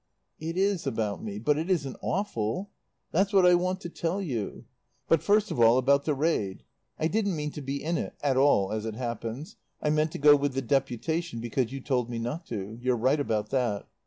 "It is about me, but it isn't awful. "That's what I want to tell you. "But, first of all about the raid. I didn't mean to be in it at all, as it happens. I meant to go with the deputation because you told me not to. You're right about that.